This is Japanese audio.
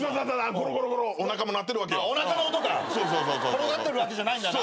転がってるわけじゃないんだな。